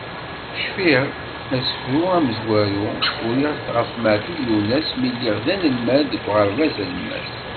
Cfiɣ, asefru amezwaru, uriɣ-t ɣef Meɛtub Lwennas mi lliɣ d anelmad deg uɣerbaz alemmas.